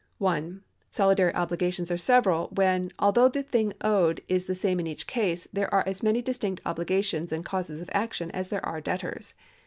\. Solidary obligations are several, when, although the thing owed is the same in each case, there are as many distinct obligations and causes of action, as there are debtors.